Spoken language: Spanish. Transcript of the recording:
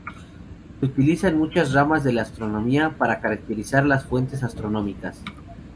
Se utiliza en muchas ramas de la astronomía para caracterizar las fuentes astronómicas.